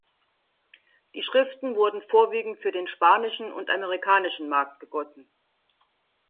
Die Schriften wurden vorwiegend für den spanischen und amerikanischen Markt gegossen.